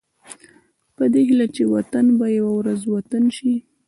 په دې هيله چې وطن به يوه ورځ وطن شي.